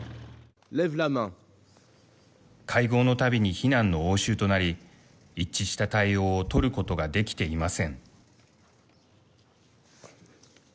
会合のたびに非難の応酬となり一致した対応を取ることができていません。